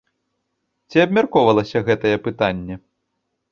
Ці абмяркоўвалася гэтае пытанне?